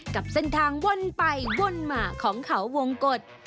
กับเส้นทางวนไปวนมาของเขาวงกฎ